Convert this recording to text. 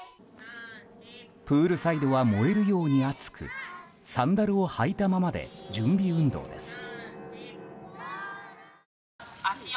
プールサイドは燃えるように熱くサンダルを履いたままで準備運動です。